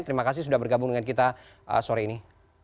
terima kasih sudah bergabung dengan kita sore ini